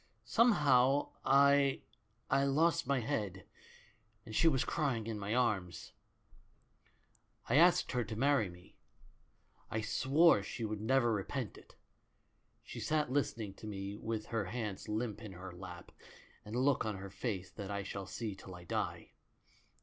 Somehow I — I lost my head, and she was crying in my arms. "I asked her to marry me. I swore she should never repent it. She sat listening to me with her hands limp in her lap, and a look on her face that I shall see till I die.